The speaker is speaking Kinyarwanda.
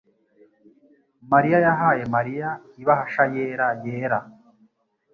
mariya yahaye Mariya ibahasha yera yera